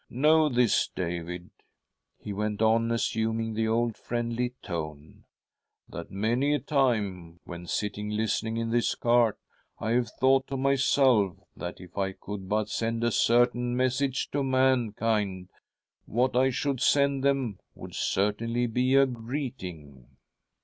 Know this, David," he went on, assuming the old friendly tene, " that many a time when sitting listening in this cart, I have thought to myself that if I could but send a certain message . THE STRUGGLE OF A SOUL 165 to mankind, what I should send them would certainly be a. greeting."